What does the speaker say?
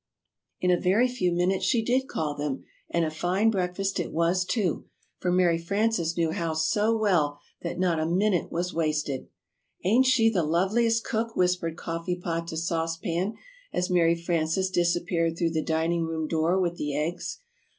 In a very few minutes she did call them, and a fine breakfast it was, too; for Mary Frances knew how so well that not a minute was wasted. "Ain't she the loveliest cook," whispered Coffee Pot to Sauce Pan, as Mary Frances disappeared through the dining room door with the eggs.